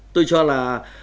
tôi cho là